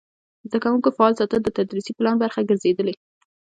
د زده کوونکو فعال ساتل د تدریسي پلان برخه ګرځېدلې.